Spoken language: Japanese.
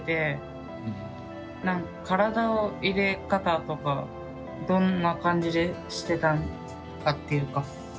体の入れ方とかどんな感じでしてたのかっていうか。